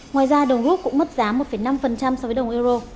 ngoài ra đồng rút cũng mất giá một năm so với đồng euro